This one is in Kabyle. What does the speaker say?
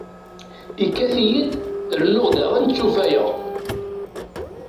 Ikad-iyi-d rennuɣ daɣen ttufayeɣ.